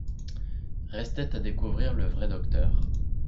Restait à découvrir le vrai docteur.